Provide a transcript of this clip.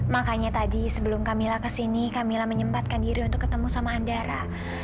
makanya tadi sebelum kamilah ke sini kamilah menyempatkan diri untuk ketemu sama andara